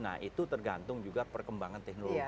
nah itu tergantung juga perkembangan teknologi